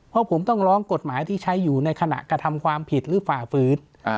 เพราะผมต้องร้องกฎหมายที่ใช้อยู่ในขณะกระทำความผิดหรือฝ่าฝืน